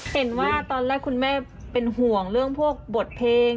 เห็นว่าตอนแรกคุณแม่เป็นห่วงเรื่องพวกบทเพลง